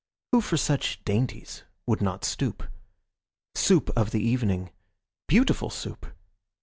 Who for such dainties would not stoop? Soup of the evening, beautiful Soup!